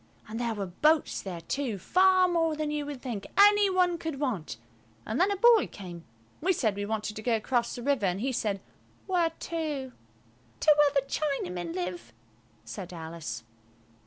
And there were boats there too, far more than you would think any one could want; an then a boy came. We said we wanted to go across the river and he said, "Where to?" "To where the Chinamen live," said Alice.